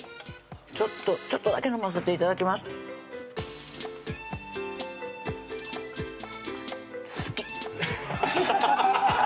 ちょっとちょっとだけ飲ませて頂きます好き！